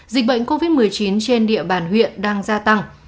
dịch bệnh covid một mươi chín trên địa bàn huyện đang gia tăng